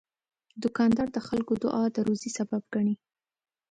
دوکاندار د خلکو دعا د روزي سبب ګڼي.